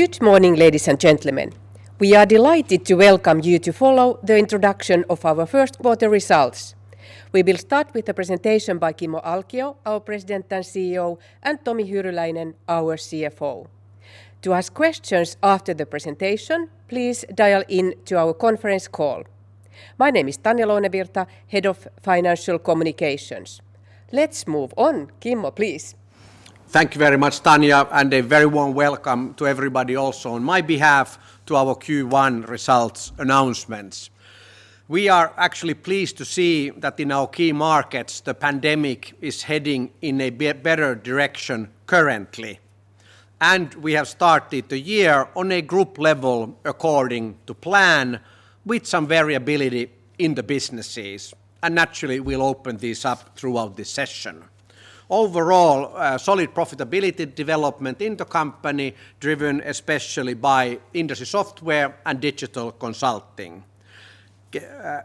Good morning, ladies and gentlemen. We are delighted to welcome you to follow the introduction of our first quarter results. We will start with a presentation by Kimmo Alkio, our President and CEO, and Tomi Hyryläinen, our CFO. To ask questions after the presentation, please dial in to our conference call. My name is Tanja Lounevirta, Head of Financial Communications. Let's move on. Kimmo, please. Thank you very much, Tanja. A very warm welcome to everybody also on my behalf to our Q1 results announcements. We are actually pleased to see that in our key markets, the pandemic is heading in a better direction currently, and we have started the year on a group level according to plan with some variability in the businesses. Naturally, we'll open these up throughout the session. Overall, solid profitability development in the company driven especially by industry software and digital consulting.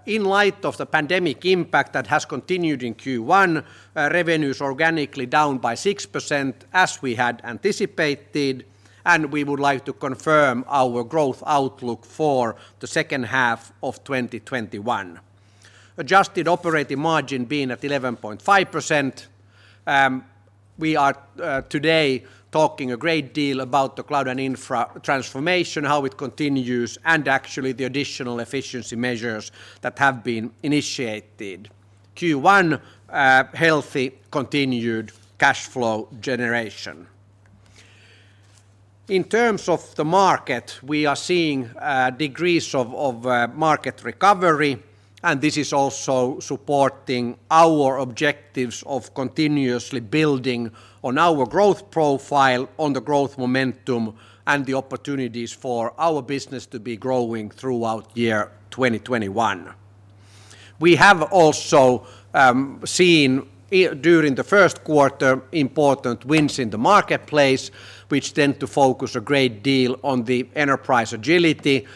In light of the pandemic impact that has continued in Q1, revenues organically down by 6% as we had anticipated, and we would like to confirm our growth outlook for the second half of 2021. Adjusted operating margin being at 11.5%. We are today talking a great deal about the cloud and infra transformation, how it continues, and actually the additional efficiency measures that have been initiated. Q1, healthy continued cash flow generation. In terms of the market, we are seeing degrees of market recovery, and this is also supporting our objectives of continuously building on our growth profile on the growth momentum and the opportunities for our business to be growing throughout year 2021. We have also seen during the first quarter important wins in the marketplace, which tend to focus a great deal on the enterprise agility,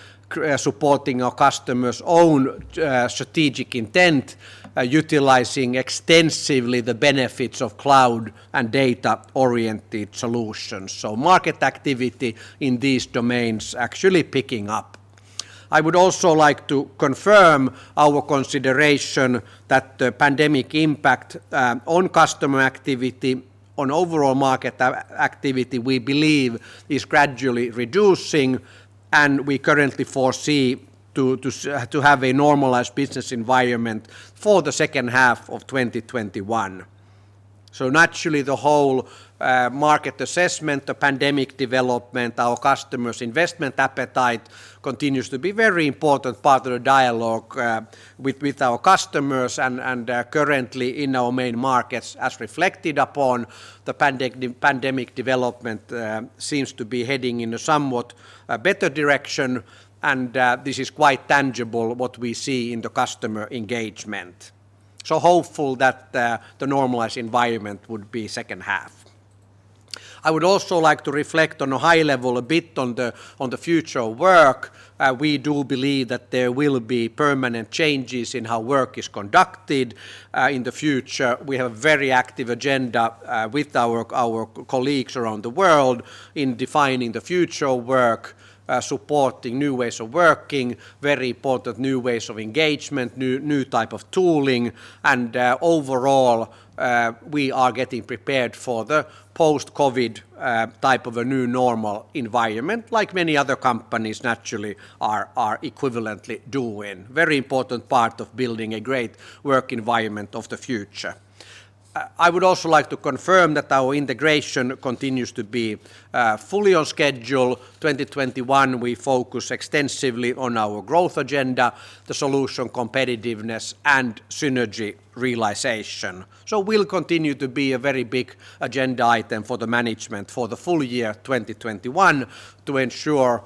supporting our customers' own strategic intent, utilizing extensively the benefits of cloud and data-oriented solutions. Market activity in these domains actually picking up. I would also like to confirm our consideration that the pandemic impact on customer activity, on overall market activity, we believe is gradually reducing. We currently foresee to have a normalized business environment for the second half of 2021. Naturally, the whole market assessment, the pandemic development, our customers' investment appetite continues to be very important part of the dialogue with our customers and currently in our main markets. As reflected upon, the pandemic development seems to be heading in a somewhat better direction. This is quite tangible what we see in the customer engagement. Hopeful that the normalized environment would be second half. I would also like to reflect on a high level a bit on the future of work. We do believe that there will be permanent changes in how work is conducted in the future. We have very active agenda with our colleagues around the world in defining the future of work, supporting new ways of working. Very important new ways of engagement, new type of tooling, and overall, we are getting prepared for the post-COVID type of a new normal environment like many other companies naturally are equivalently doing. Very important part of building a great work environment of the future. I would also like to confirm that our integration continues to be fully on schedule. 2021, we focus extensively on our growth agenda, the solution competitiveness, and synergy realization. Will continue to be a very big agenda item for the management for the full-year 2021 to ensure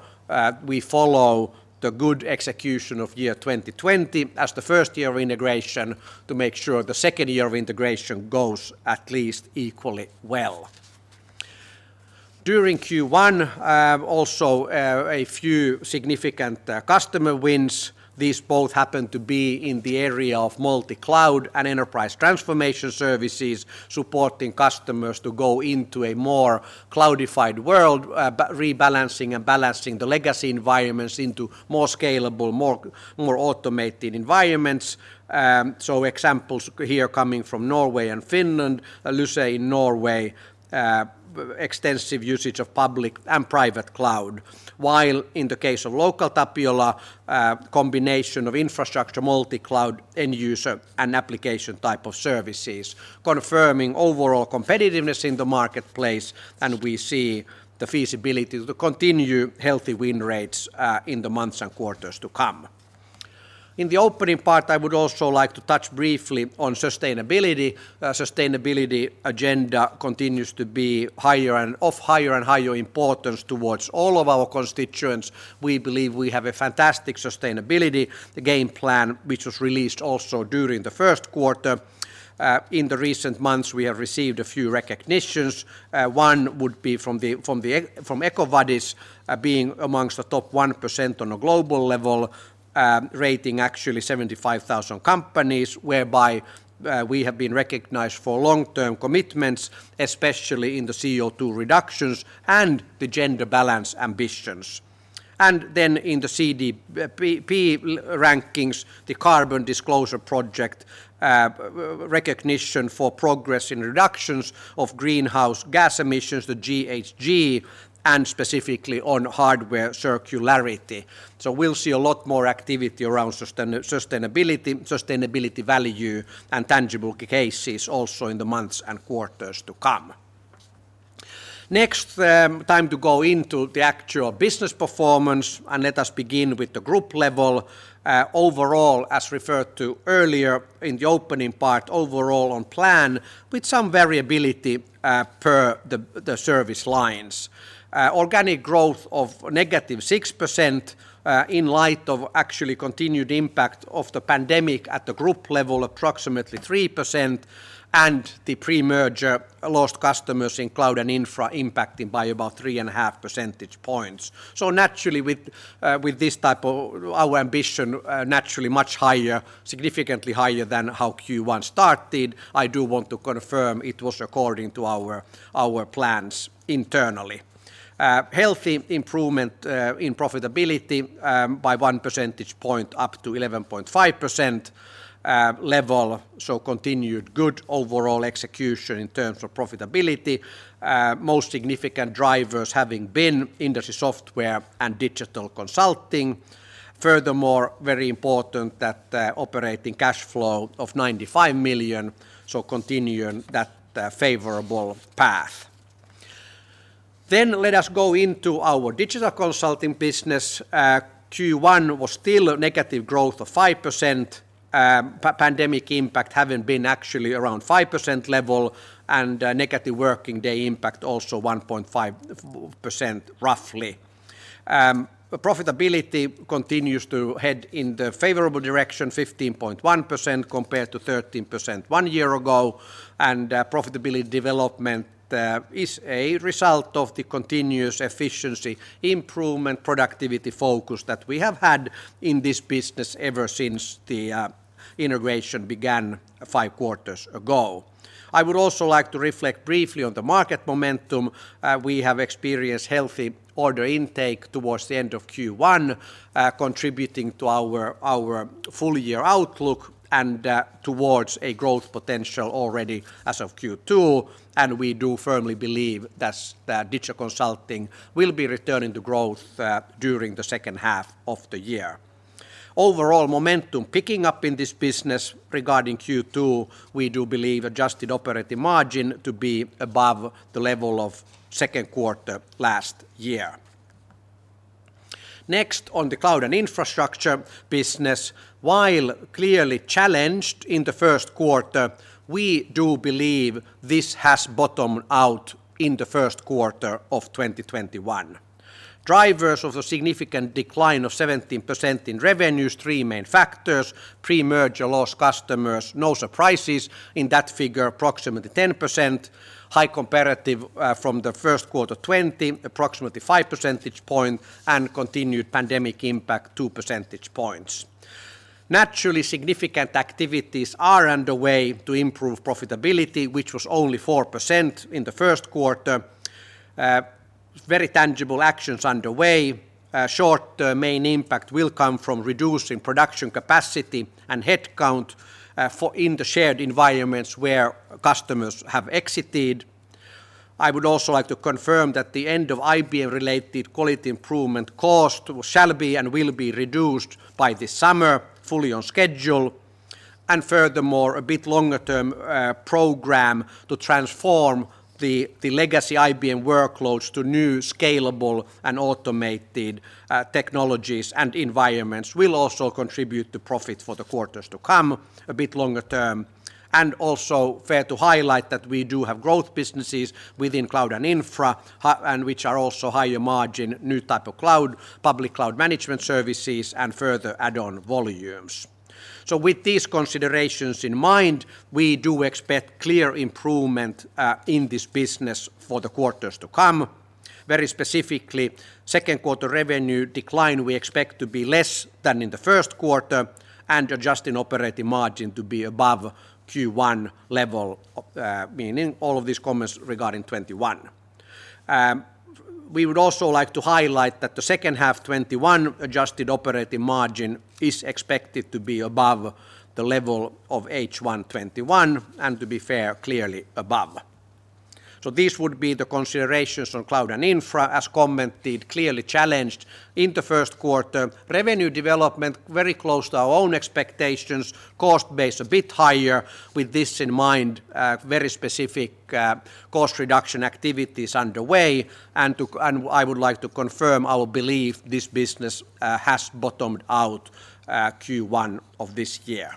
we follow the good execution of year 2020 as the first year of integration to make sure the second year of integration goes at least equally well. During Q1 also a few significant customer wins. These both happen to be in the area of multi-cloud and enterprise transformation services supporting customers to go into a more cloudified world, rebalancing and balancing the legacy environments into more scalable, more automated environments. Examples here coming from Norway and Finland. Lyse in Norway extensive usage of public and private cloud, while in the case of LocalTapiola a combination of infrastructure, multi-cloud, end user, and application type of services confirming overall competitiveness in the marketplace, and we see the feasibility to continue healthy win rates in the months and quarters to come. In the opening part, I would also like to touch briefly on sustainability. Sustainability agenda continues to be of higher and higher importance towards all of our constituents. We believe we have a fantastic sustainability game plan, which was released also during the first quarter. In the recent months, we have received a few recognitions. One would be from EcoVadis, being amongst the top 1% on a global level, rating actually 75,000 companies, whereby we have been recognized for long-term commitments, especially in the CO2 reductions and the gender balance ambitions. In the CDP rankings, the Carbon Disclosure Project recognition for progress in reductions of greenhouse gas emissions, the GHG, and specifically on hardware circularity. We'll see a lot more activity around sustainability value and tangible cases also in the months and quarters to come. Time to go into the actual business performance. Let us begin with the group level. Overall, as referred to earlier in the opening part, overall on plan with some variability per the service lines. Organic growth of negative 6% in light of actually continued impact of the pandemic at the group level, approximately 3%, and the pre-merger lost customers in cloud and infra impacting by about 3.5 percentage points. With this type of our ambition naturally much higher, significantly higher than how Q1 started, I do want to confirm it was according to our plans internally. Healthy improvement in profitability by one percentage point up to 11.5% level, so continued good overall execution in terms of profitability. Most significant drivers having been industry software and digital consulting. Furthermore, very important that operating cash flow of 95 million, so continuing that favorable path. Let us go into our digital consulting business. Q1 was still a negative growth of 5%, pandemic impact having been actually around 5% level, and negative working day impact also 1.5% roughly. Profitability continues to head in the favorable direction, 15.1% compared to 13% one year ago, and profitability development is a result of the continuous efficiency improvement productivity focus that we have had in this business ever since the integration began five quarters ago. I would also like to reflect briefly on the market momentum. We have experienced healthy order intake towards the end of Q1, contributing to our full-year outlook and towards a growth potential already as of Q2. We do firmly believe that digital consulting will be returning to growth during the second half of the year. Overall momentum picking up in this business regarding Q2, we do believe adjusted operating margin to be above the level of second quarter last year. Next, on the cloud and infrastructure business. While clearly challenged in the first quarter, we do believe this has bottomed out in the first quarter of 2021. Drivers of the significant decline of 17% in revenues, three main factors. Pre-merger lost customers, no surprises in that figure, approximately 10%. High comparative from the first quarter 2020, approximately five percentage point, and continued pandemic impact two percentage points. Naturally, significant activities are underway to improve profitability, which was only 4% in the first quarter. Very tangible actions underway. Short-term main impact will come from reducing production capacity and headcount in the shared environments where customers have exited. I would also like to confirm that the end of IBM-related quality improvement cost shall be and will be reduced by this summer, fully on schedule. Furthermore, a bit longer-term program to transform the legacy IBM workloads to new scalable and automated technologies and environments will also contribute to profit for the quarters to come a bit longer-term. Also fair to highlight that we do have growth businesses within cloud and infra, which are also higher-margin, new type of cloud, public cloud management services, and further add-on volumes. With these considerations in mind, we do expect clear improvement in this business for the quarters to come. Very specifically, second quarter revenue decline we expect to be less than in the first quarter, and adjusted operating margin to be above Q1 level, meaning all of these comments regarding 2021. We would also like to highlight that the second half 2021 adjusted operating margin is expected to be above the level of H1 2021, and to be fair, clearly above. These would be the considerations on cloud and infra, as commented, clearly challenged in the first quarter. Revenue development very close to our own expectations, cost base a bit higher. With this in mind, very specific cost reduction activities underway, and I would like to confirm our belief this business has bottomed out Q1 of this year.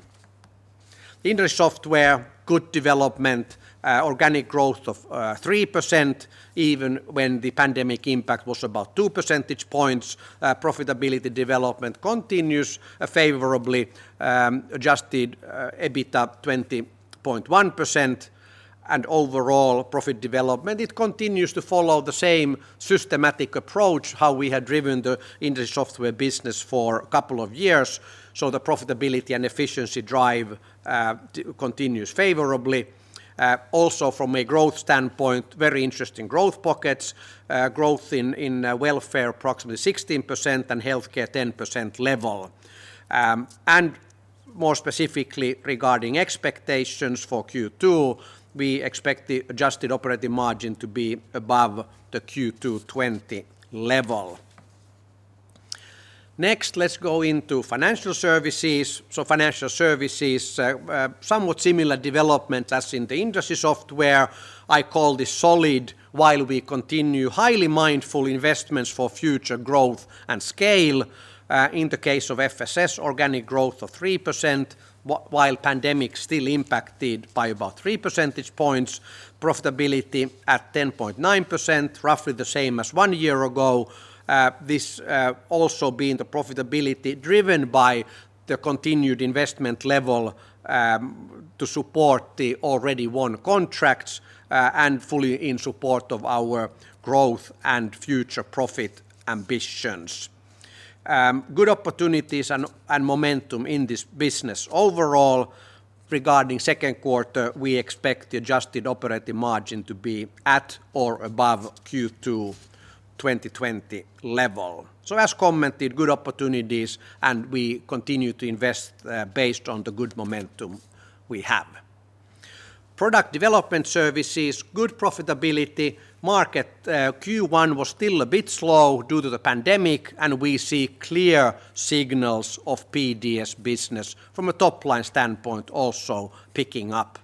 Industry Software, good development. Organic growth of 3%, even when the pandemic impact was about two percentage points. Profitability development continues favorably. Adjusted EBITDA 20.1%, and overall profit development, it continues to follow the same systematic approach how we had driven the Industry Software business for a couple of years. The profitability and efficiency drive continues favorably. Also, from a growth standpoint, very interesting growth pockets. Growth in welfare approximately 16%, and healthcare 10% level. More specifically regarding expectations for Q2, we expect the adjusted operating margin to be above the Q2 2020 level. Next, let's go into Financial Services. Financial Services, somewhat similar development as in the Industry Software. I call this solid, while we continue highly mindful investments for future growth and scale. In the case of FSS, organic growth of 3%, while pandemic still impacted by about three percentage points. Profitability at 10.9%, roughly the same as one year ago. This also being the profitability driven by the continued investment level to support the already won contracts and fully in support of our growth and future profit ambitions. Good opportunities and momentum in this business. Overall, regarding second quarter, we expect the adjusted operating margin to be at or above Q2 2020 level. As commented, good opportunities and we continue to invest based on the good momentum we have. Product Development Services, good profitability. Q1 was still a bit slow due to the pandemic, and we see clear signals of PDS business from a top-line standpoint also picking up.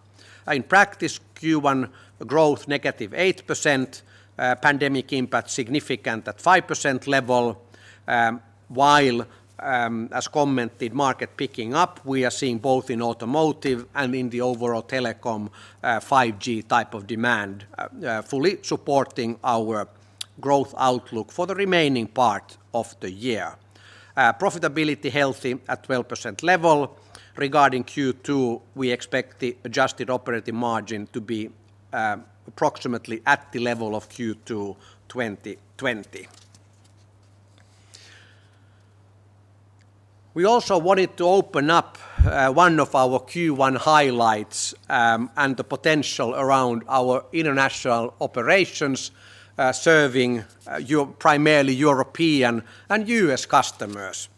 In practice, Q1 growth negative 8%, pandemic impact significant at 5% level, while, as commented, market picking up. We are seeing both in automotive and in the overall telecom 5G type of demand fully supporting our growth outlook for the remaining part of the year. Profitability healthy at 12% level. Regarding Q2, we expect the adjusted operating margin to be approximately at the level of Q2 2020. We also wanted to open up one of our Q1 highlights and the potential around our international operations serving primarily European and U.S. customers.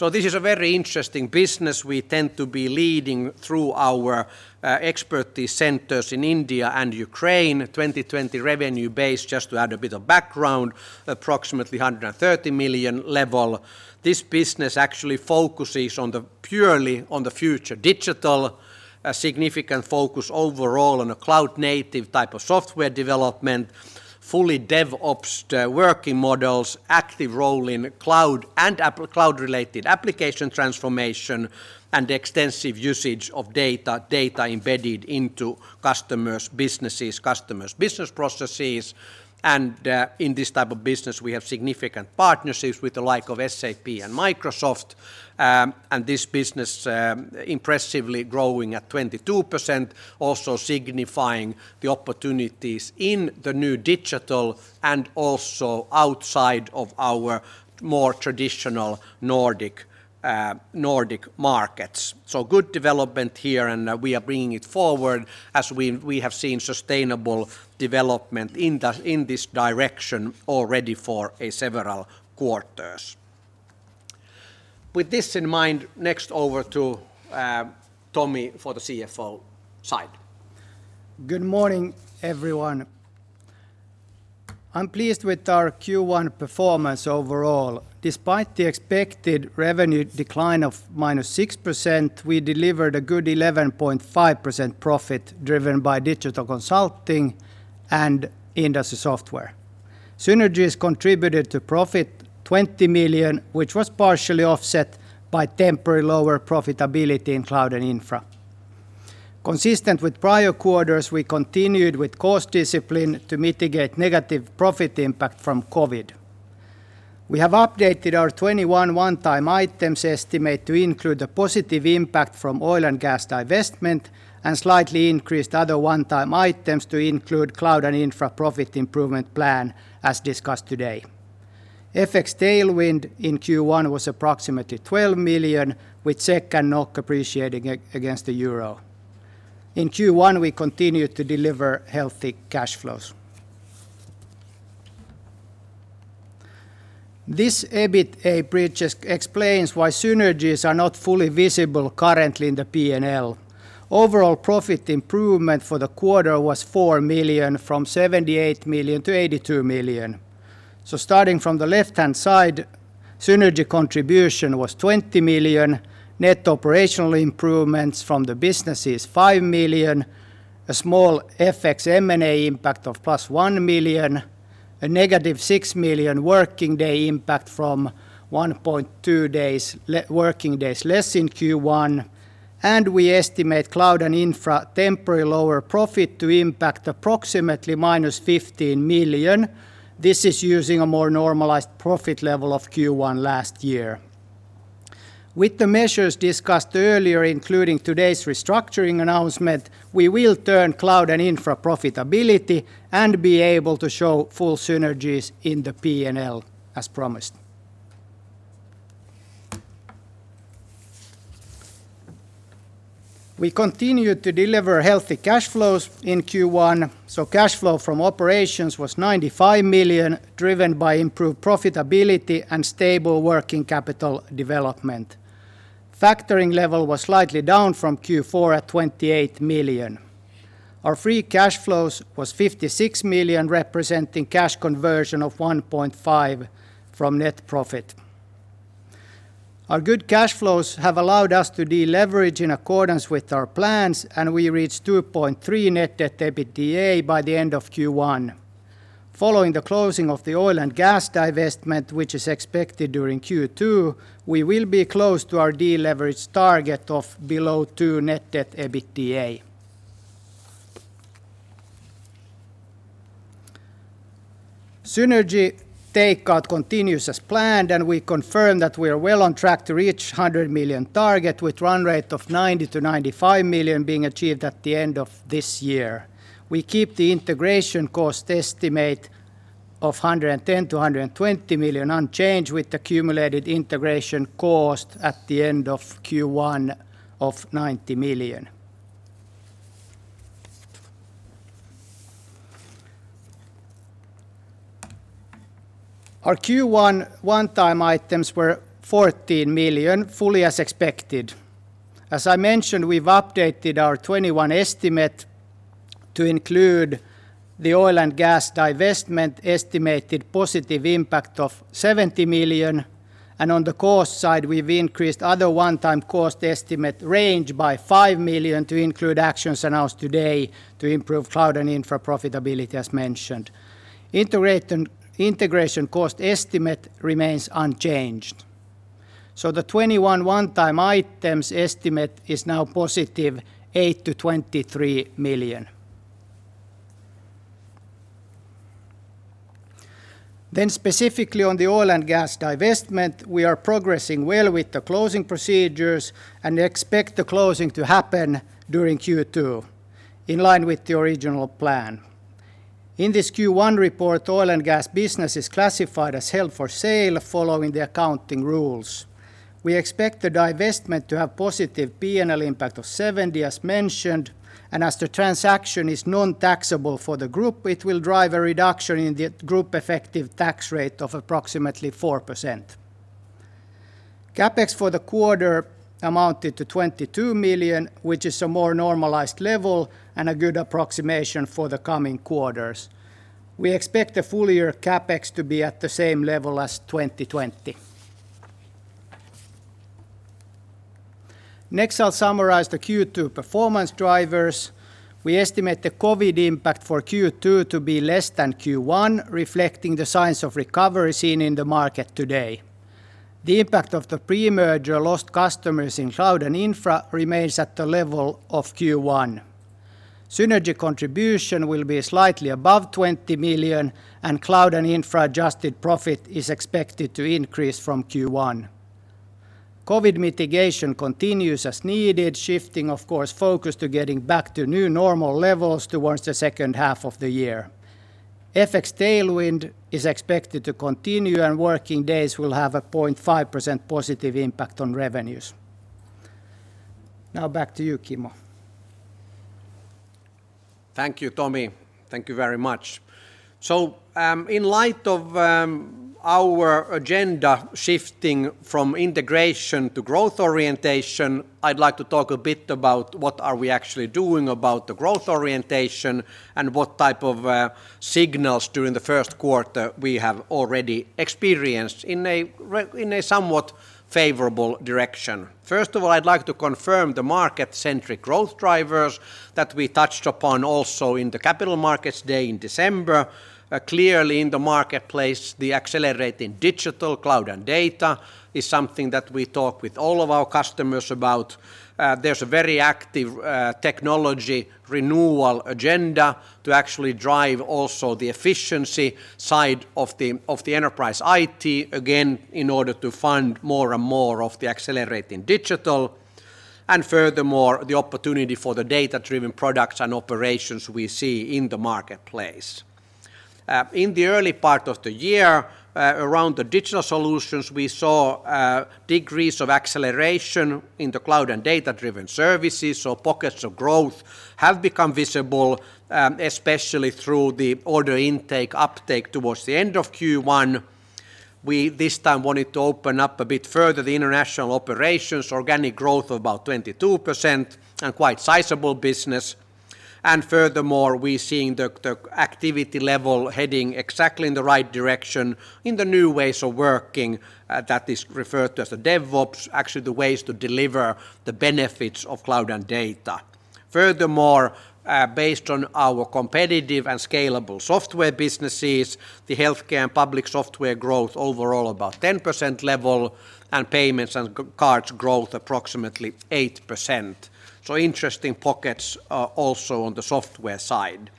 This is a very interesting business we tend to be leading through our expertise centers in India and Ukraine. 2020 revenue base, just to add a bit of background, approximately 130 million level. This business actually focuses purely on the future digital. A significant focus overall on a cloud native type of software development, fully DevOps working models, active role in cloud and cloud-related application transformation, and extensive usage of data embedded into customers' businesses, customers' business processes. In this type of business, we have significant partnerships with the like of SAP and Microsoft. This business impressively growing at 22%, also signifying the opportunities in the new digital and also outside of our more traditional Nordic markets. Good development here and we are bringing it forward as we have seen sustainable development in this direction already for several quarters. With this in mind, next over to Tomi for the CFO side. Good morning, everyone. I'm pleased with our Q1 performance overall. Despite the expected revenue decline of -6%, we delivered a good 11.5% profit driven by Digital Consulting and industry software. Synergies contributed to profit 20 million, which was partially offset by temporary lower profitability in Cloud and Infra. Consistent with prior quarters, we continued with cost discipline to mitigate negative profit impact from COVID. We have updated our 2021 one-time items estimate to include the positive impact from Oil & Gas divestment and slightly increased other one-time items to include Cloud and Infra profit improvement plan as discussed today. FX tailwind in Q1 was approximately 12 million, with SEK and NOK appreciating against the EUR. In Q1, we continued to deliver healthy cash flows. This EBITA bridge explains why synergies are not fully visible currently in the P&L. Overall profit improvement for the quarter was 4 million from 78 million to 82 million. Starting from the left-hand side, synergy contribution was 20 million, net operational improvements from the business is 5 million, a small FX M&A impact of plus 1 million. A -6 million working day impact from 1.2 working days less in Q1, and we estimate cloud and infra temporary lower profit to impact approximately minus 15 million. This is using a more normalized profit level of Q1 last year. With the measures discussed earlier, including today's restructuring announcement, we will turn cloud and infra profitability and be able to show full synergies in the P&L as promised. We continued to deliver healthy cash flows in Q1, so cash flow from operations was 95 million, driven by improved profitability and stable working capital development. Factoring level was slightly down from Q4 at 28 million. Our free cash flows was 56 million, representing cash conversion of 1.5 from net profit. Our good cash flows have allowed us to deleverage in accordance with our plans, and we reached 2.3 net debt to EBITDA by the end of Q1. Following the closing of the Oil & Gas divestment, which is expected during Q2, we will be close to our deleverage target of below two net debt to EBITDA. Synergy takeout continues as planned, and we confirm that we are well on track to reach 100 million target with run rate of 90 million-95 million being achieved at the end of this year. We keep the integration cost estimate of 110 million-120 million unchanged, with accumulated integration cost at the end of Q1 of 90 million. Our Q1 one-time items were 14 million, fully as expected. As I mentioned, we have updated our 2021 estimate to include the Oil & Gas divestment estimated positive impact of 70 million. On the cost side, we have increased other one-time cost estimate range by 5 million to include actions announced today to improve cloud and infra profitability, as mentioned. Integration cost estimate remains unchanged. The 2021 one-time items estimate is now positive 8 million to 23 million. Specifically on the Oil & Gas divestment, we are progressing well with the closing procedures and expect the closing to happen during Q2, in line with the original plan. In this Q1 report, Oil & Gas business is classified as held for sale following the accounting rules. We expect the divestment to have positive P&L impact of 70 million, as mentioned. As the transaction is non-taxable for the group, it will drive a reduction in the group effective tax rate of approximately 4%. CapEx for the quarter amounted to 22 million, which is a more normalized level and a good approximation for the coming quarters. We expect the full-year CapEx to be at the same level as 2020. I'll summarize the Q2 performance drivers. We estimate the COVID impact for Q2 to be less than Q1, reflecting the signs of recovery seen in the market today. The impact of the pre-merger lost customers in cloud and infra remains at the level of Q1. Synergy contribution will be slightly above 20 million. Cloud and infra adjusted profit is expected to increase from Q1. COVID mitigation continues as needed, shifting of course focus to getting back to new normal levels towards the second half of the year. FX tailwind is expected to continue. Working days will have a 0.5% positive impact on revenues. Now back to you, Kimmo. Thank you, Tomi. Thank you very much. In light of our agenda shifting from integration to growth orientation, I'd like to talk a bit about what are we actually doing about the growth orientation and what type of signals during the first quarter we have already experienced in a somewhat favorable direction. First of all, I'd like to confirm the market-centric growth drivers that we touched upon also in the Capital Markets Day in December. Clearly in the marketplace, the accelerating digital cloud and data is something that we talk with all of our customers about. There's a very active technology renewal agenda to actually drive also the efficiency side of the enterprise IT, again, in order to fund more and more of the accelerating digital, and furthermore, the opportunity for the data-driven products and operations we see in the marketplace. In the early part of the year, around the digital solutions, we saw a degrees of acceleration in the cloud and data-driven services, so pockets of growth have become visible, especially through the order intake uptake towards the end of Q1. We this time wanted to open up a bit further the international operations organic growth of about 22% and quite sizable business. Furthermore, we're seeing the activity level heading exactly in the right direction in the new ways of working that is referred to as the DevOps, actually the ways to deliver the benefits of cloud and data. Furthermore, based on our competitive and scalable software businesses, the healthcare and public software growth overall about 10% level, and payments and cards growth approximately 8%. Interesting pockets also on the software side.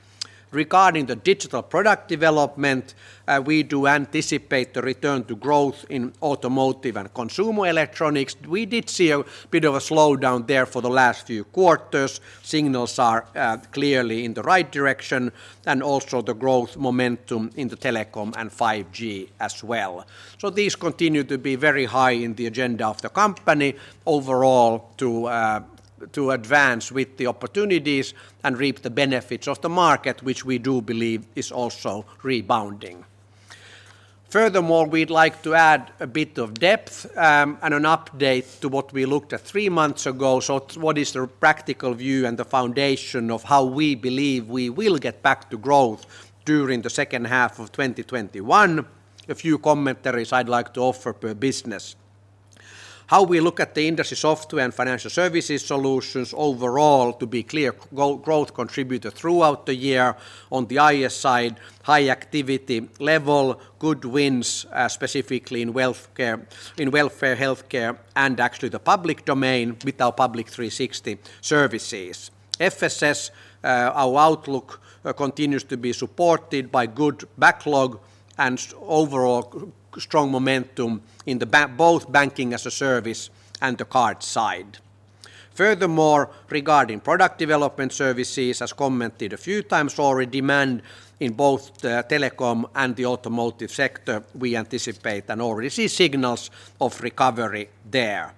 Regarding the digital product development, we do anticipate the return to growth in automotive and consumer electronics. We did see a bit of a slowdown there for the last few quarters. Signals are clearly in the right direction, also the growth momentum in the telecom and 5G as well. These continue to be very high in the agenda of the company overall to advance with the opportunities and reap the benefits of the market, which we do believe is also rebounding. Furthermore, we'd like to add a bit of depth and an update to what we looked at three months ago. What is the practical view and the foundation of how we believe we will get back to growth during the second half of 2021? A few commentaries I'd like to offer per business. How we look at the industry software and financial services solutions overall to be clear growth contributor throughout the year on the IS side, high activity level, good wins, specifically in welfare, healthcare, and actually the public domain with our Public 360° services. FSS, our outlook continues to be supported by good backlog and overall strong momentum in both Banking as a Service and the card side. Regarding product development services, as commented a few times already, demand in both the telecom and the automotive sector, we anticipate and already see signals of recovery there.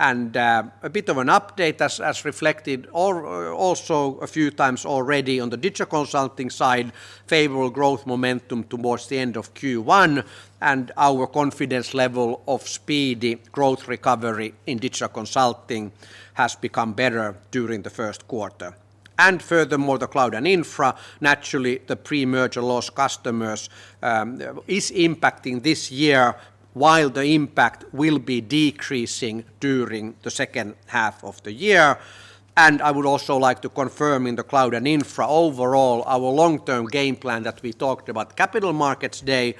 A bit of an update as reflected also a few times already on the digital consulting side, favorable growth momentum towards the end of Q1, and our confidence level of speedy growth recovery in digital consulting has become better during the first quarter. Furthermore, the cloud and infra, naturally the pre-merger loss customers is impacting this year, while the impact will be decreasing during the second half of the year. I would also like to confirm in the cloud and infra overall our long-term game plan that we talked about Capital Markets Day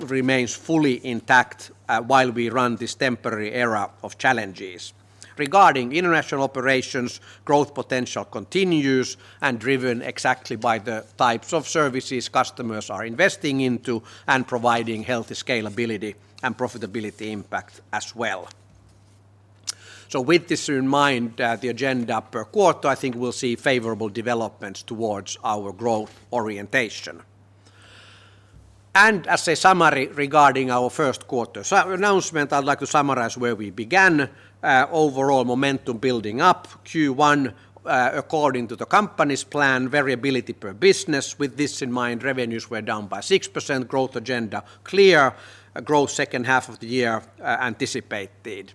remains fully intact while we run this temporary era of challenges. Regarding international operations, growth potential continues and driven exactly by the types of services customers are investing into and providing healthy scalability and profitability impact as well. With this in mind, the agenda per quarter, I think we'll see favorable developments towards our growth orientation. As a summary regarding our first quarter announcement, I'd like to summarize where we began. Overall momentum building up Q1 according to the company's plan, variability per business. With this in mind, revenues were down by 6%, growth agenda clear, a growth second half of the year anticipated.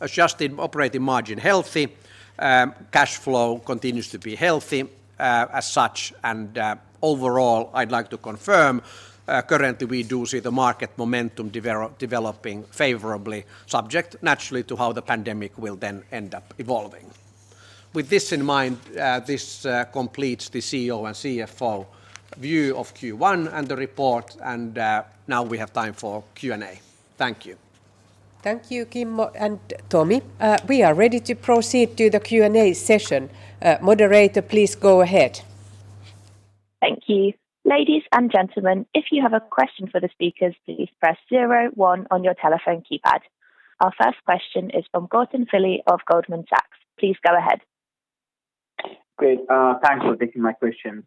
Adjusted operating margin healthy. Cash flow continues to be healthy as such. Overall, I'd like to confirm currently we do see the market momentum developing favorably, subject naturally to how the pandemic will then end up evolving. With this in mind, this completes the CEO and CFO view of Q1 and the report, and now we have time for Q&A. Thank you. Thank you, Kimmo and Tomi. We are ready to proceed to the Q&A session. Moderator, please go ahead. Thank you. Ladies and gentlemen, if you have a question for the speakers, please press zero one on your telephone keypad. Our first question is from Gautam Pillai of Goldman Sachs. Please go ahead. Great. Thanks for taking my question.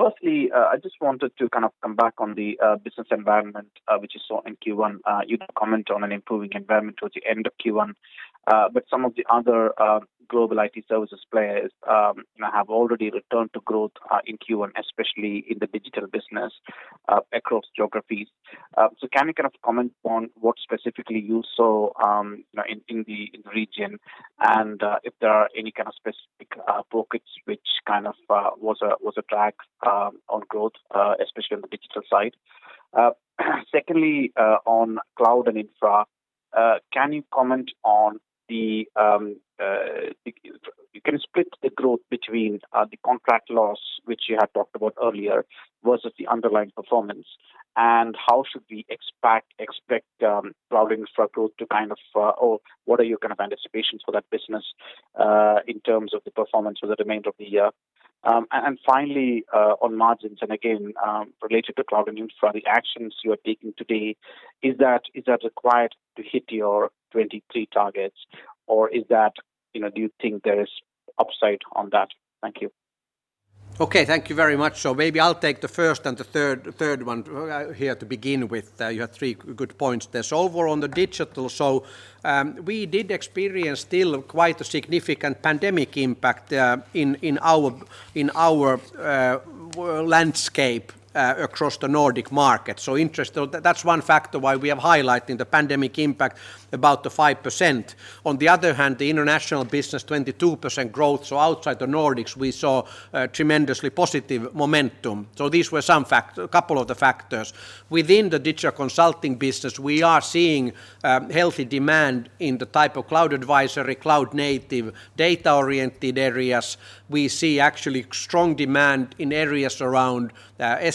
I just wanted to come back on the business environment which you saw in Q1. You did comment on an improving environment towards the end of Q1, some of the other global IT services players have already returned to growth in Q1, especially in the digital business across geographies. Can you comment on what specifically you saw in the region and if there are any specific pockets which was a drag on growth, especially on the digital side? On cloud and infra, can you split the growth between the contract loss, which you had talked about earlier, versus the underlying performance? How should we expect cloud infra to or what are your anticipations for that business in terms of the performance for the remainder of the year? Finally, on margins, and again related to cloud and infra, the actions you are taking today, is that required to hit your 2023 targets or do you think there is upside on that? Thank you. Okay, thank you very much. Maybe I'll take the first and the third one here to begin with. You have three good points there. Overall on the digital, we did experience still quite a significant pandemic impact in our landscape across the Nordic market. That's one factor why we are highlighting the pandemic impact about the 5%. On the other hand, the international business, 22% growth. Outside the Nordics, we saw tremendously positive momentum. These were a couple of the factors. Within the digital consulting business, we are seeing healthy demand in the type of cloud advisory, cloud native, data-oriented areas. We see actually strong demand in areas around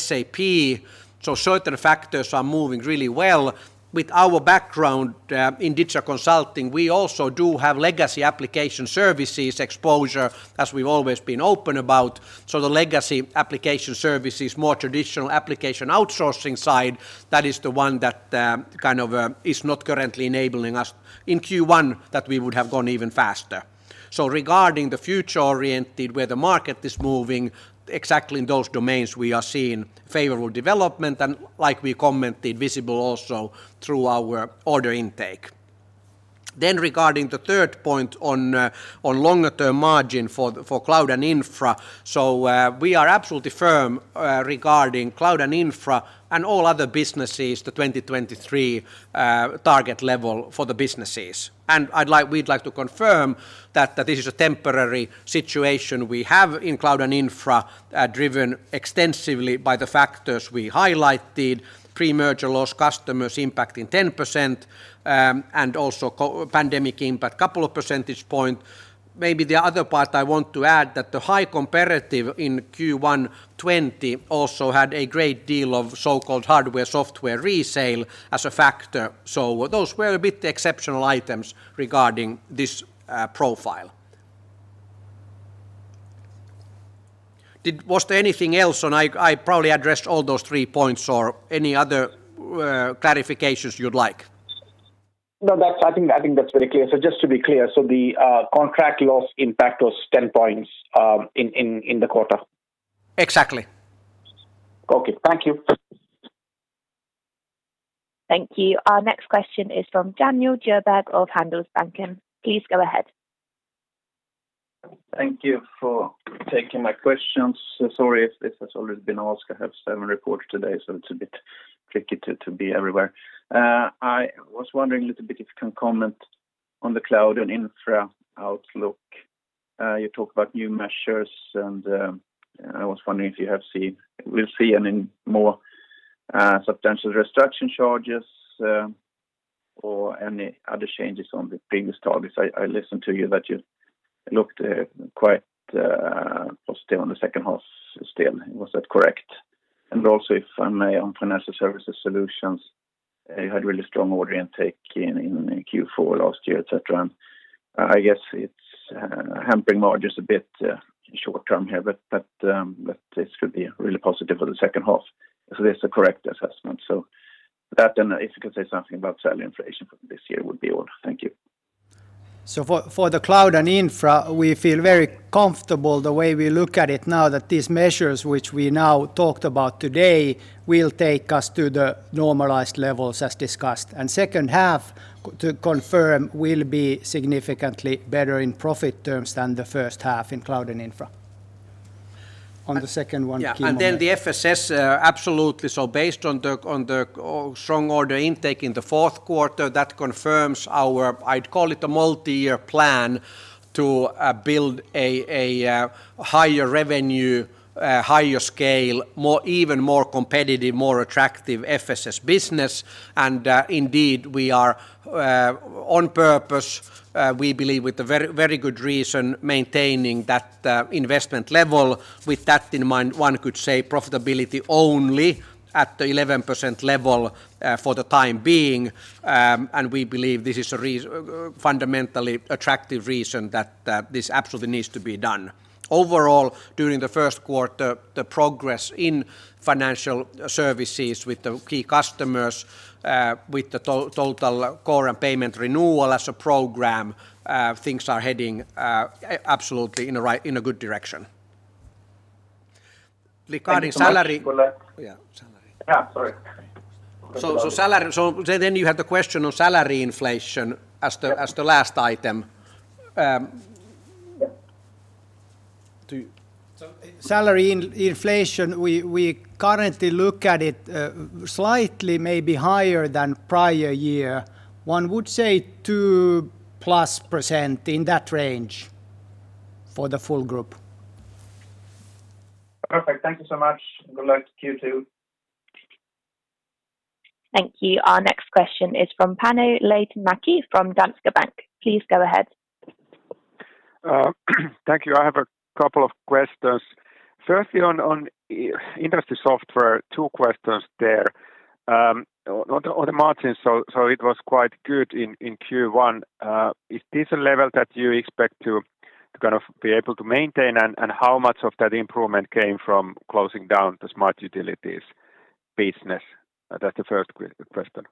SAP. Certain factors are moving really well. With our background in digital consulting, we also do have legacy application services exposure, as we've always been open about. The legacy application services, more traditional application outsourcing side, that is the one that is not currently enabling us in Q1, that we would have gone even faster. Regarding the future-oriented, where the market is moving, exactly in those domains, we are seeing favorable development and, like we commented, visible also through our order intake. Regarding the third point on longer-term margin for cloud and infra, we are absolutely firm regarding cloud and infra and all other businesses, the 2023 target level for the businesses. We'd like to confirm that this is a temporary situation we have in cloud and infra, driven extensively by the factors we highlighted, pre-merger loss customers impacting 10%, and also pandemic impact couple of percentage points. Maybe the other part I want to add that the high comparative in Q1 2020 also had a great deal of so-called hardware-software resale as a factor. Those were a bit exceptional items regarding this profile. Was there anything else? I probably addressed all those three points. Any other clarifications you'd like? No, I think that's very clear. Just to be clear, the contract loss impact was 10 points in the quarter? Exactly. Okay. Thank you. Thank you. Our next question is from Daniel Djurberg of Handelsbanken. Please go ahead. Thank you for taking my questions. Sorry if this has already been asked. I have seven reports today, so it's a bit tricky to be everywhere. I was wondering a little bit if you can comment on the cloud and infra outlook. You talk about new measures. I was wondering if we'll see any more substantial restructuring charges or any other changes on the previous targets. I listened to you that you looked quite positive on the second half still. Was that correct? Also, if I may, on Financial Services Solutions, you had really strong order intake in Q4 last year, et cetera. I guess it's hampering margins a bit in short term here, but this could be really positive for the second half. Is this a correct assessment? That, if you could say something about salary inflation for this year would be all. Thank you. For the cloud and infra, we feel very comfortable the way we look at it now that these measures which we now talked about today will take us to the normalized levels as discussed. Second half, to confirm, will be significantly better in profit terms than the first half in cloud and infra. On the second one. The FSS, absolutely. Based on the strong order intake in the fourth quarter, that confirms our, I'd call it a multi-year plan to build a higher revenue, higher scale, even more competitive, more attractive FSS business. Indeed, we are on purpose, we believe with very good reason, maintaining that investment level. With that in mind, one could say profitability only at the 11% level for the time being. We believe this is a fundamentally attractive reason that this absolutely needs to be done. Overall, during the first quarter, the progress in financial services with the key customers with the total core and payment renewal as a program things are heading absolutely in a good direction. Regarding salary Thank you so much. Good luck. Yeah, salary. Yeah, sorry. You have the question on salary inflation as the last item. Yeah. Salary inflation, we currently look at it slightly maybe higher than prior year. One would say 2+% in that range, for the full group. Perfect. Thank you so much. Good luck, Q2. Thank you. Our next question is from Panu Laitinmäki from Danske Bank. Please go ahead. Thank you. I have a couple of questions. Firstly, on industry software, two questions there. On the margins, it was quite good in Q1. Is this a level that you expect to be able to maintain? How much of that improvement came from closing down the smart utilities business? That's the first question.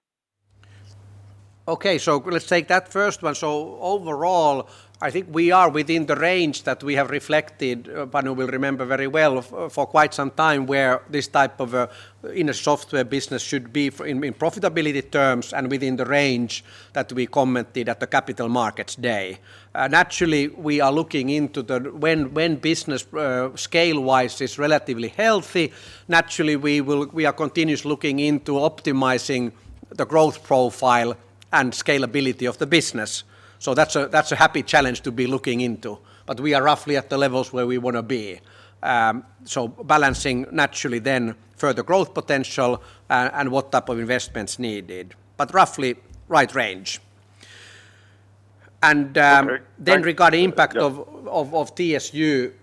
Okay, let's take that first one. Overall, I think we are within the range that we have reflected, Panu will remember very well, for quite some time, where this type of industry software business should be in profitability terms and within the range that we commented at the Capital Markets Day. Naturally, we are looking into when business scale-wise is relatively healthy, naturally we are continuously looking into optimizing the growth profile and scalability of the business. That's a happy challenge to be looking into. We are roughly at the levels where we want to be. Balancing naturally then further growth potential and what type of investments needed, roughly right range. Okay. Regarding impact of TSU.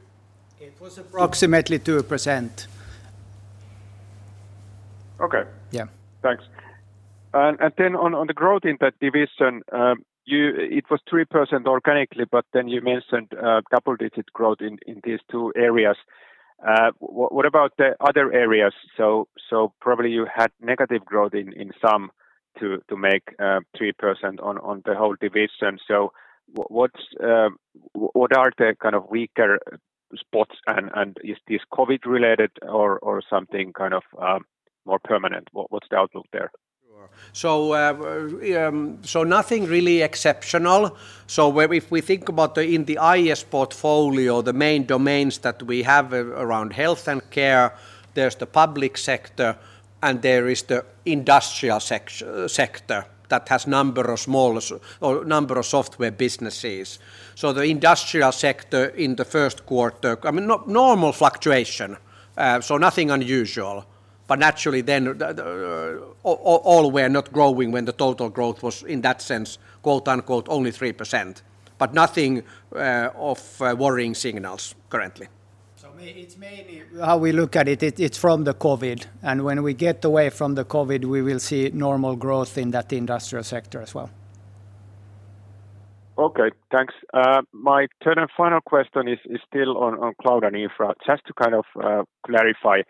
It was approximately 2%. Okay. Yeah. Thanks. On the growth in that division, it was 3% organically. You mentioned double-digit growth in these two areas. What about the other areas? Probably you had negative growth in some to make 3% on the whole division. What are the kind of weaker spots and is this COVID related or something kind of more permanent? What's the outlook there? Sure. Nothing really exceptional. If we think about in the IES portfolio, the main domains that we have around health and care, there is the public sector and there is the industrial sector that has number of software businesses. The industrial sector in the first quarter, normal fluctuation, nothing unusual. Naturally then all were not growing when the total growth was in that sense, quote-unquote, only 3%. Nothing of worrying signals currently. It's mainly how we look at it's from the COVID. When we get away from the COVID, we will see normal growth in that industrial sector as well. Okay, thanks. My third and final question is still on cloud and infra. To kind of clarify,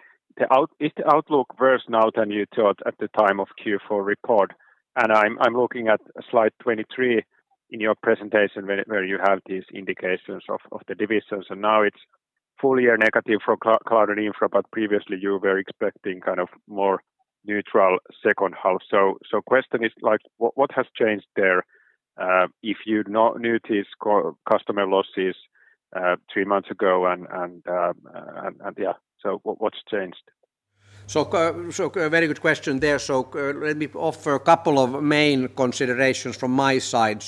is the outlook worse now than you thought at the time of Q4 report? I'm looking at slide 23 in your presentation where you have these indications of the divisions, and now it's full-year negative for cloud and infra, but previously you were expecting kind of more neutral second half. Question is, what has changed there? If you knew these customer losses three months ago. What's changed? Very good question there. Let me offer a couple of main considerations from my side.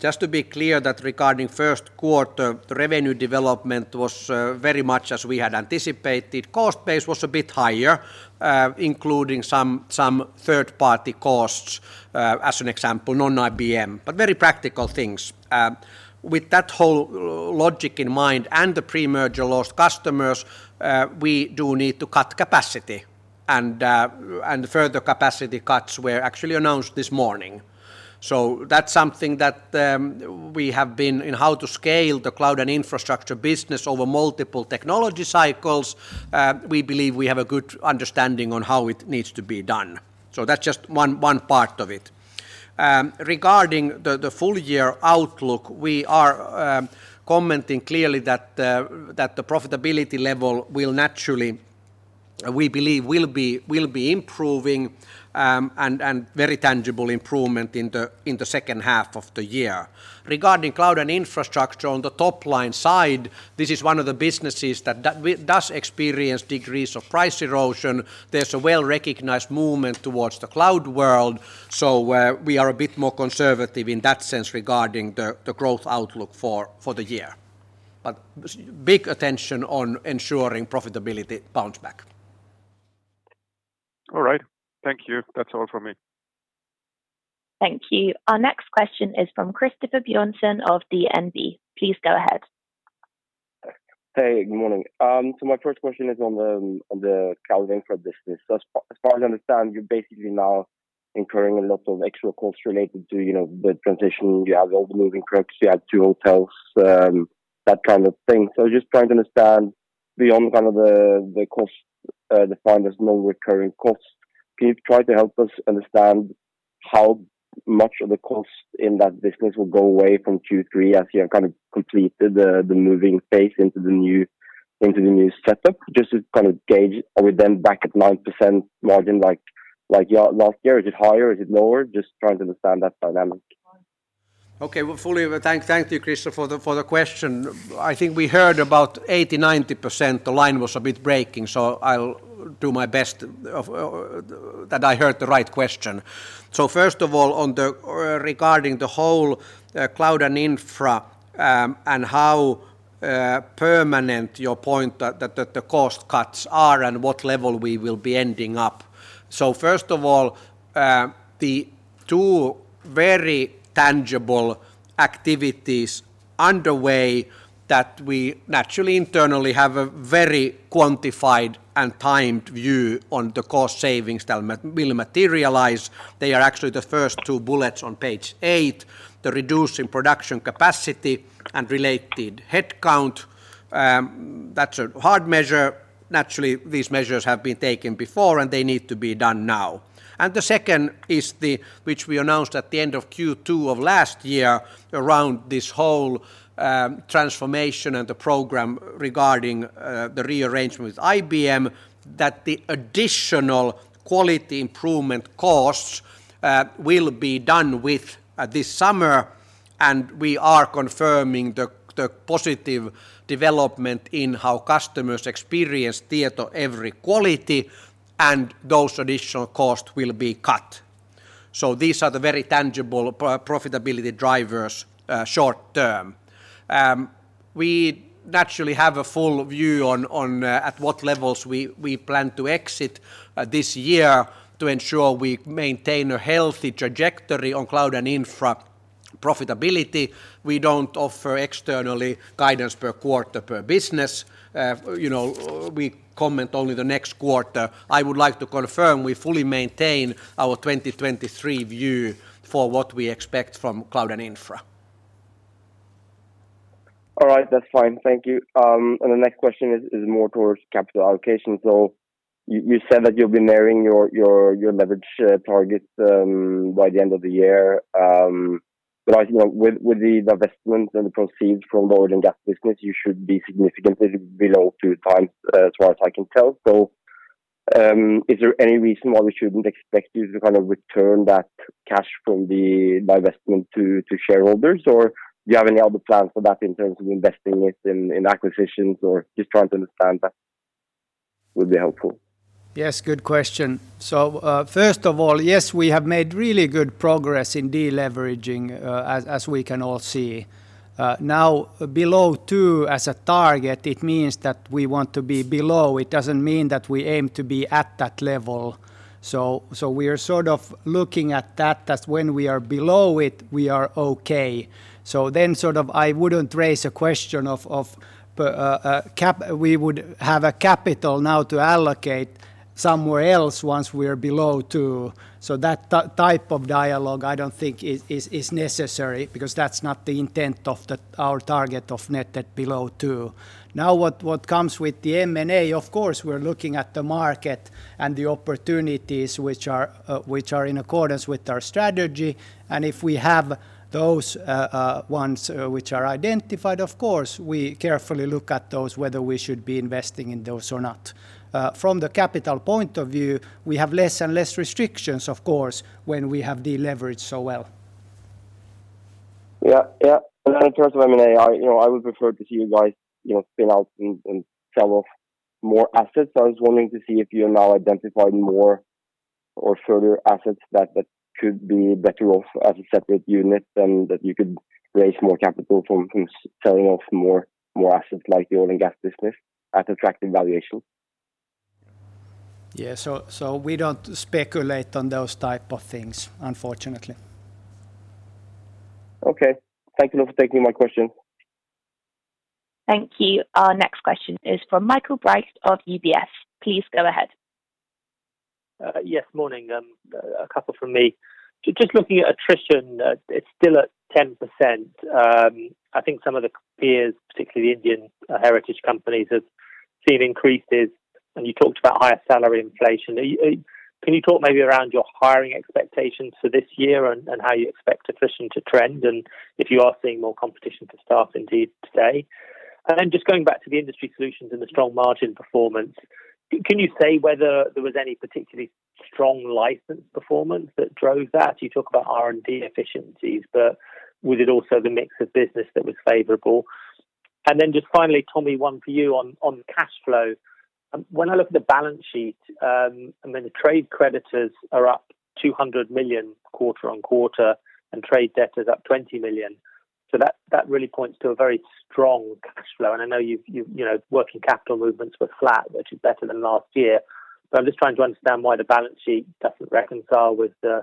Just to be clear that regarding first quarter, the revenue development was very much as we had anticipated. Cost base was a bit higher, including some third-party costs. As an example, non-IBM. Very practical things. With that whole logic in mind and the pre-merger lost customers, we do need to cut capacity, and further capacity cuts were actually announced this morning. That's something that we have been in how to scale the cloud and infrastructure business over multiple technology cycles. We believe we have a good understanding on how it needs to be done. That's just one part of it. Regarding the full-year outlook, we are commenting clearly that the profitability level will naturally, we believe will be improving, and very tangible improvement in the second half of the year. Regarding cloud and infrastructure on the top-line side, this is one of the businesses that does experience degrees of price erosion. There's a well-recognized movement towards the cloud world, so we are a bit more conservative in that sense regarding the growth outlook for the year. Big attention on ensuring profitability bounce back. All right. Thank you. That's all from me. Thank you. Our next question is from Christoffer Bjørnsen of DNB. Please go ahead. Good morning. My first question is on the cloud infra business. As far as I understand, you're basically now incurring a lot of extra costs related to the transition. You have all the moving trucks, you had two hotels, that kind of thing. Just trying to understand beyond kind of the cost, defined as non-recurring costs. Can you try to help us understand how much of the cost in that business will go away from Q3 as you have kind of completed the moving phase into the new setup? Just to kind of gauge, are we then back at 9% margin like last year? Is it higher? Is it lower? Just trying to understand that dynamic. Okay. Thank you, Christoffer, for the question. I think we heard about 80%, 90%, the line was a bit breaking, I'll do my best that I heard the right question. First of all, regarding the whole cloud and infra, and how permanent your point that the cost cuts are and what level we will be ending up. First of all, the two very tangible activities underway that we naturally internally have a very quantified and timed view on the cost savings that will materialize. They are actually the first two bullets on page eight, the reducing production capacity and related headcount. That's a hard measure. Naturally, these measures have been taken before, and they need to be done now. The second is, which we announced at the end of Q2 of last year around this whole transformation and the program regarding the rearrangement with IBM, that the additional quality improvement costs will be done with this summer. We are confirming the positive development in how customers experience Tietoevry Quality and those additional costs will be cut. These are the very tangible profitability drivers short-term. We naturally have a full view on at what levels we plan to exit this year to ensure we maintain a healthy trajectory on cloud and infra profitability. We don't offer externally guidance per quarter per business. We comment only the next quarter. I would like to confirm we fully maintain our 2023 view for what we expect from cloud and infra. All right. That's fine. Thank you. The next question is more towards capital allocation. You said that you'll be nearing your leverage targets by the end of the year. With the divestment and the proceeds from the Oil & Gas business, you should be significantly below two times, as far as I can tell. Is there any reason why we shouldn't expect you to return that cash from the divestment to shareholders? Do you have any other plans for that in terms of investing it in acquisitions? Just trying to understand that would be helpful. Yes, good question. First of all, yes, we have made really good progress in deleveraging, as we can all see. Below two as a target, it means that we want to be below. It doesn't mean that we aim to be at that level. We are looking at that when we are below it, we are okay. Then I wouldn't raise a question of we would have a capital now to allocate somewhere else once we are below two. That type of dialogue I don't think is necessary because that's not the intent of our target of net debt below two. What comes with the M&A, of course, we're looking at the market and the opportunities which are in accordance with our strategy. If we have those ones which are identified, of course, we carefully look at those, whether we should be investing in those or not. From the capital point of view, we have less and less restrictions, of course, when we have deleveraged so well. Yeah. In terms of M&A, I would prefer to see you guys spin out and sell off more assets. I was wanting to see if you have now identified more or further assets that could be better off as a separate unit, and that you could raise more capital from selling off more assets like the Oil & Gas business at attractive valuation. Yeah. We don't speculate on those type of things, unfortunately. Okay. Thank you for taking my question. Thank you. Our next question is from Michael Briest of UBS. Please go ahead. Yes. Morning. A couple from me. Just looking at attrition, it's still at 10%. I think some of the peers, particularly the Indian heritage companies, have seen increases, and you talked about higher salary inflation. Can you talk maybe around your hiring expectations for this year and how you expect attrition to trend, and if you are seeing more competition for staff indeed today? Just going back to the industry solutions and the strong margin performance, can you say whether there was any particularly strong license performance that drove that? You talk about R&D efficiencies, was it also the mix of business that was favorable? Just finally, Tomi, one for you on cash flow. When I look at the balance sheet, I mean, the trade creditors are up 200 million quarter-on-quarter, and trade debtors up 20 million. That really points to a very strong cash flow. I know working capital movements were flat, which is better than last year. I am just trying to understand why the balance sheet doesn't reconcile with the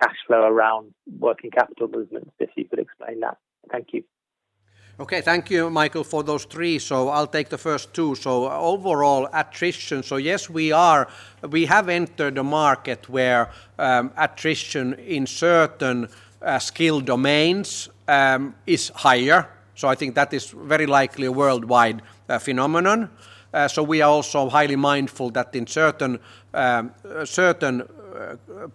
cash flow around working capital movements, if you could explain that. Thank you. Okay. Thank you, Michael, for those three. I'll take the first two. Overall attrition. Yes, we have entered a market where attrition in certain skill domains is higher. I think that is very likely a worldwide phenomenon. We are also highly mindful that in certain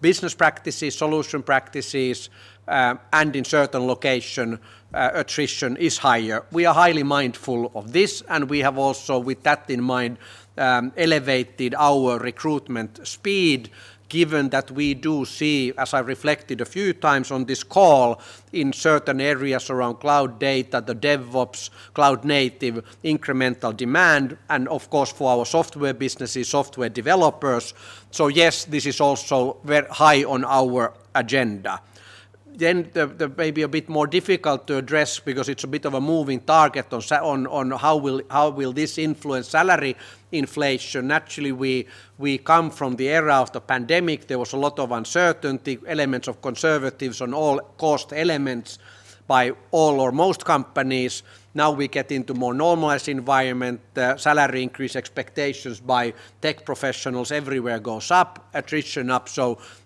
business practices, solution practices, and in certain location, attrition is higher. We are highly mindful of this, and we have also, with that in mind, elevated our recruitment speed, given that we do see, as I reflected a few times on this call, in certain areas around cloud data, DevOps, cloud native, incremental demand, and of course, for our software businesses, software developers. Yes, this is also very high on our agenda. Maybe a bit more difficult to address because it's a bit of a moving target on how will this influence salary inflation. Naturally, we come from the era of the pandemic. There was a lot of uncertainty, elements of conservatism on all cost elements by all or most companies. Now we get into more normalized environment. Salary increase expectations by tech professionals everywhere goes up, attrition up.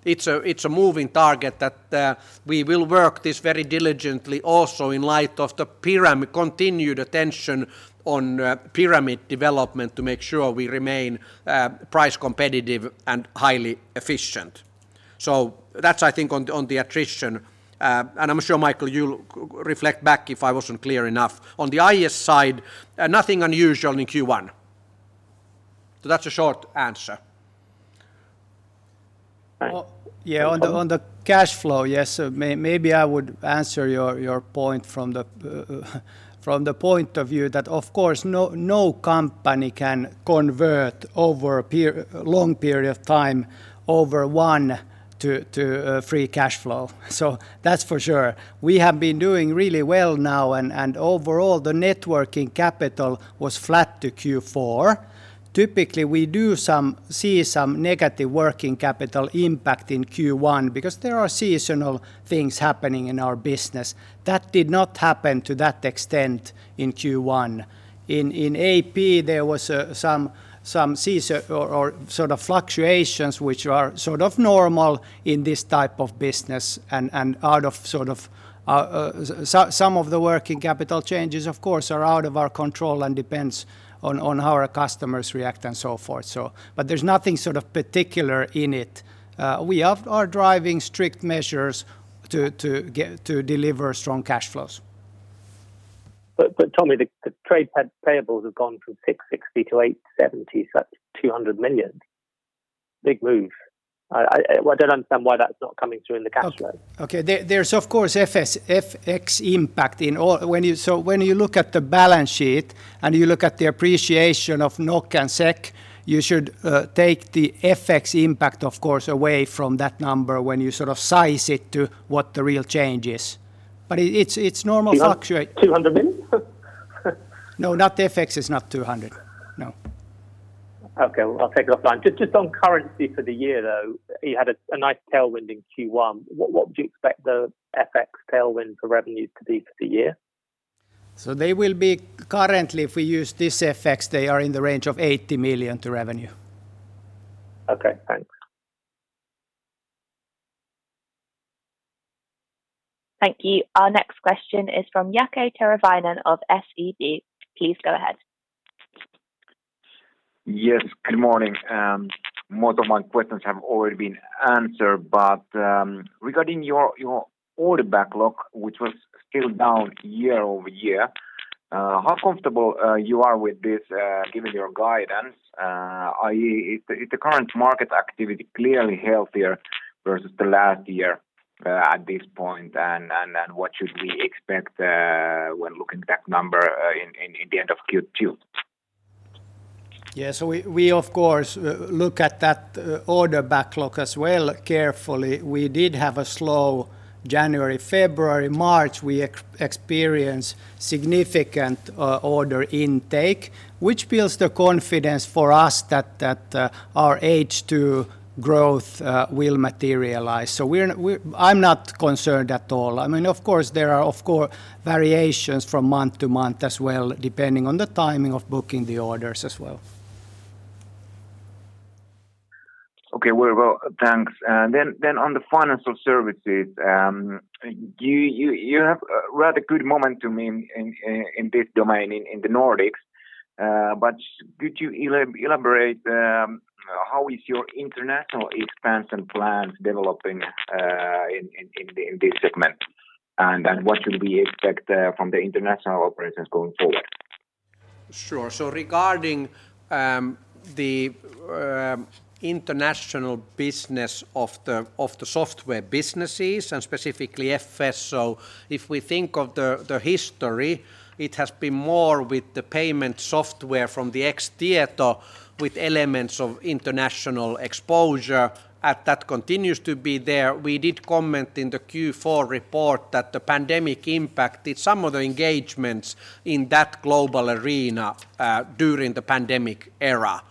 It is a moving target that we will work this very diligently also in light of the continued attention on pyramid development to make sure we remain price competitive and highly efficient. That's, I think, on the attrition. I'm sure, Michael, you'll reflect back if I wasn't clear enough. On the IES side, nothing unusual in Q1. That's a short answer. Right. Yeah. On the cash flow, yes, maybe I would answer your point from the point of view that of course, no company can convert over a long period of time over one to free cash flow. That's for sure. We have been doing really well now, and overall, the net working capital was flat to Q4. Typically, we do see some negative working capital impact in Q1 because there are seasonal things happening in our business. That did not happen to that extent in Q1. In AP, there were some seasonal fluctuations, which are sort of normal in this type of business. Some of the working capital changes, of course, are out of our control and depends on how our customers react and so forth. There's nothing sort of particular in it. We are driving strict measures to deliver strong cash flows. Tomi, the trade payables have gone from 660 to 870, so that's 200 million. Big move. I don't understand why that's not coming through in the cash flow. There's, of course, FX impact in all. When you look at the balance sheet and you look at the appreciation of NOK and SEK, you should take the FX impact, of course, away from that number when you sort of size it to what the real change is. It's normal. 200 million? No, FX is not 200. No. Okay, well, I'll take it offline. Just on currency for the year, though. You had a nice tailwind in Q1. What would you expect the FX tailwind for revenues to be for the year? They will be, currently, if we use this FX, they are in the range of 80 million to revenue. Okay, thanks. Thank you. Our next question is from Jaakko Tyrväinen of SEB. Please go ahead. Yes, good morning. Most of my questions have already been answered. Regarding your order backlog, which was still down year-over-year, how comfortable you are with this given your guidance? I.e., is the current market activity clearly healthier versus the last year at this point, and what should we expect when looking at that number in the end of Q2? We of course look at that order backlog as well carefully. We did have a slow January, February. March, we experienced significant order intake, which builds the confidence for us that our H2 growth will materialize. I'm not concerned at all. There are, of course, variations from month to month as well, depending on the timing of booking the orders as well. Okay. Well, thanks. On the financial services, you have a rather good momentum in this domain in the Nordics. Could you elaborate how is your international expansion plans developing in this segment? What should we expect from the international operations going forward? Sure. Regarding the international business of the software businesses and specifically FS, if we think of the history, it has been more with the payment software from the ex Tieto with elements of international exposure, and that continues to be there. We did comment in the Q4 report that the pandemic impacted some of the engagements in that global arena during the pandemic era.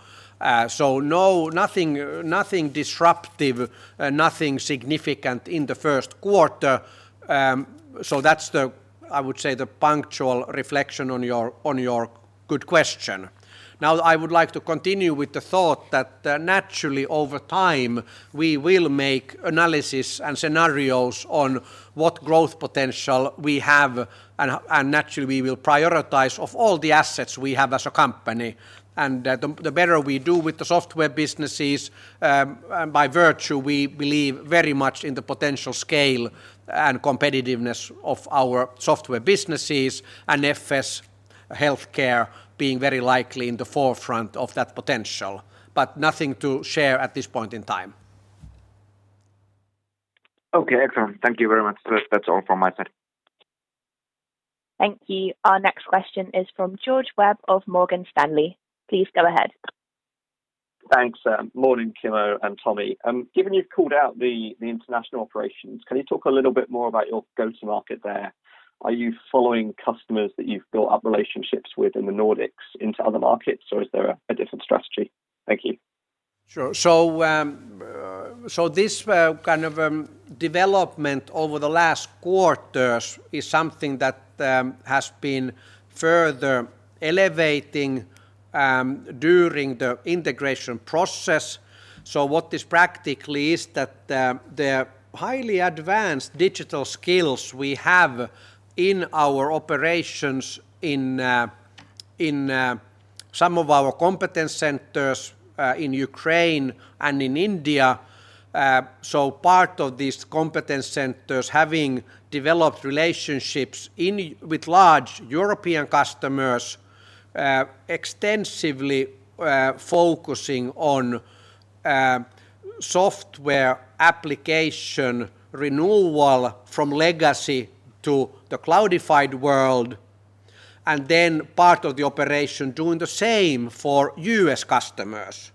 Nothing disruptive, nothing significant in the first quarter. That's the, I would say, the punctual reflection on your good question. Now, I would like to continue with the thought that naturally over time, we will make analysis and scenarios on what growth potential we have, and naturally, we will prioritize of all the assets we have as a company. The better we do with the software businesses, by virtue, we believe very much in the potential scale and competitiveness of our software businesses and FS healthcare being very likely in the forefront of that potential, but nothing to share at this point in time. Okay, excellent. Thank you very much. That is all from my side. Thank you. Our next question is from George Webb of Morgan Stanley. Please go ahead. Thanks. Morning, Kimmo and Tomi. Given you've called out the international operations, can you talk a little bit more about your go-to-market there? Are you following customers that you've built up relationships with in the Nordics into other markets, or is there a different strategy? Thank you. Sure. This kind of development over the last quarters is something that has been further elevating during the integration process. What this practically is that the highly advanced digital skills we have in our operations in some of our competence centers in Ukraine and in India. Part of these competence centers having developed relationships with large European customers extensively focusing on software application renewal from legacy to the cloudified world, and then part of the operation doing the same for U.S. customers.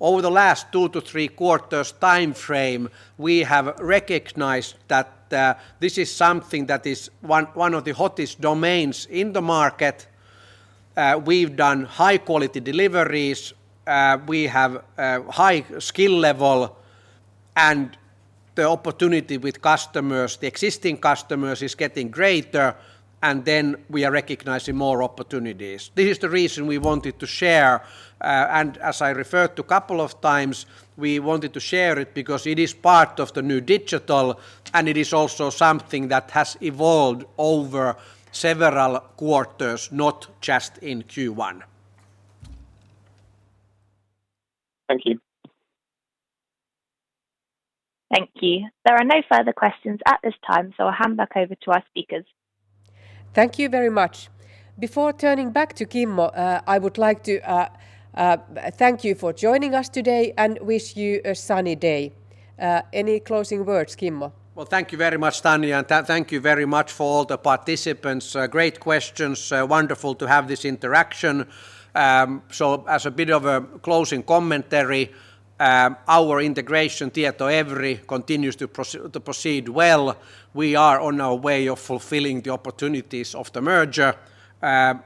Over the last two to three quarters timeframe, we have recognized that this is something that is one of the hottest domains in the market. We've done high-quality deliveries, we have a high skill level, and the opportunity with the existing customers is getting greater. We are recognizing more opportunities. This is the reason we wanted to share, and as I referred to a couple of times, we wanted to share it because it is part of the new digital, and it is also something that has evolved over several quarters, not just in Q1. Thank you. Thank you. There are no further questions at this time, so I'll hand back over to our speakers. Thank you very much. Before turning back to Kimmo, I would like to thank you for joining us today and wish you a sunny day. Any closing words, Kimmo? Well, thank you very much, Tanja, and thank you very much for all the participants. Great questions. Wonderful to have this interaction. As a bit of a closing commentary, our integration, Tietoevry, continues to proceed well. We are on our way of fulfilling the opportunities of the merger.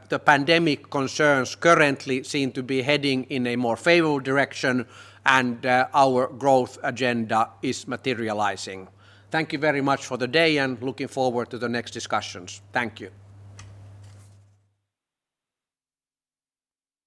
The pandemic concerns currently seem to be heading in a more favorable direction, and our growth agenda is materializing. Thank you very much for the day, and looking forward to the next discussions. Thank you.